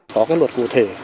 có cái luật cụ thể